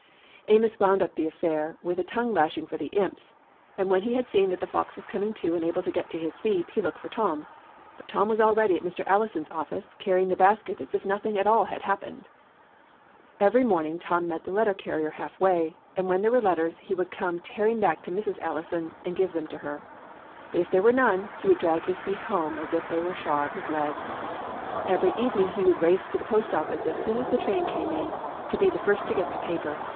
Amos wound up the affair with a tongue lashing for the imps; and when he had seen that the fox was coming to and able to get to his feet, he looked for Tom. But Tom was already at Mr. Allison's office, carrying the basket as if nothing at all had happened. Every morning Tom met the letter carrier half way; and when there were letters, he would come tearing back to Mrs. Allison, and give them to her. But if there were none, he would drag his feet home as if they were shod with lead. Every evening he would race to the post office as soon as the train came in, to be the first to get the paper.